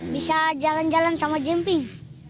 bisa jalan jalan sama jemping